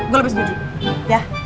gue lebih sejujur ya